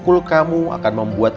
kalau dengan memukul kamu